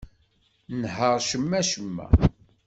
Nheṛ cemma-cemma.